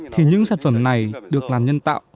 thì những sản phẩm này được làm nhân tạo